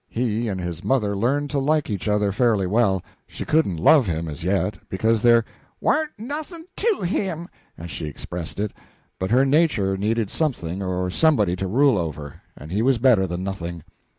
He and his mother learned to like each other fairly well. She couldn't love him, as yet, because there "warn't nothing to him," as she expressed it, but her nature needed something or somebody to rule over, and he was better than nothing.